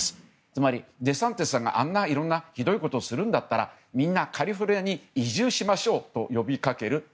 つまり、デサンティスさんがひどいことをするんだったらみんなカリフォルニアに移住しましょうと呼びかける。